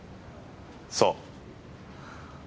そう。